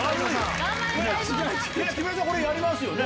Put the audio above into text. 木村さんこれやりますよね？